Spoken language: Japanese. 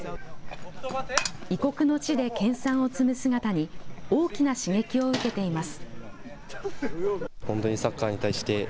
異国の地で研さんを積む姿に大きな刺激を受けています。